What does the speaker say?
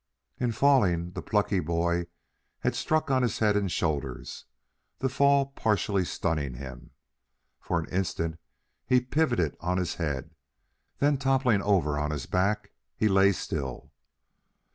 In falling, the plucky boy had struck on his head and shoulders, the fall partially stunning him. For an instant, he pivoted on his head, then toppling over on his back, he lay still.